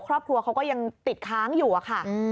ครอบครัวเขาก็ยังติดค้างอยู่อะค่ะ